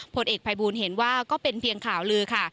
ผลเอกภัยบูลเห็นว่าก็เป็นเพียงข่าวลือค่ะ